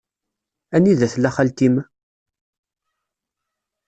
Anida tella xalti-m?